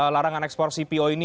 larangan ekspor cpo ini